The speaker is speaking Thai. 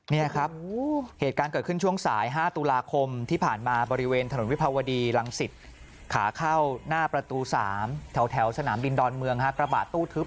นี่ครับเหตุการณ์เกิดขึ้นช่วงสาย๕ตุลาคมที่ผ่านมาบริเวณถนนวิภาวดีรังสิตขาเข้าหน้าประตู๓แถวสนามบินดอนเมืองกระบาดตู้ทึบ